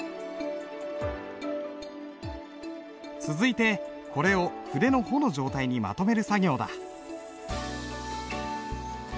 続いてこれを筆の穂の状態にまとめる作業だ。